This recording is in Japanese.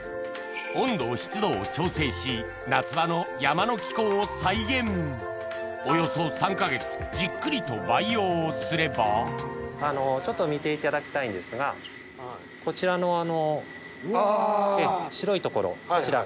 温度湿度を調整し夏場の山の気候を再現およそ３か月じっくりと培養すればちょっと見ていただきたいんですがこちらの白い所こちら。